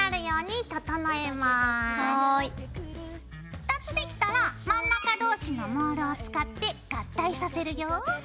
２つできたら真ん中同士のモールを使って合体させるよ。